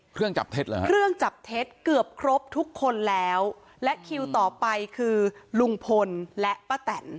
เครื่องจับเท็จเกือบครบทุกคนแล้วและคิวต่อไปคือลุงพลและป้าแต่น